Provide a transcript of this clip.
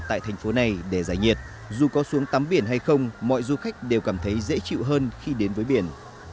tại thành phố này để giải nhiệt dù có xuống tắm biển hay không mọi du khách đều cảm thấy dễ chịu hơn khi đến với biển